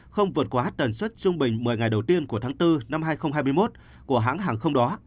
không vượt quá tần suất trung bình một mươi ngày đầu tiên của tháng bốn năm hai nghìn hai mươi một của hãng hàng không đó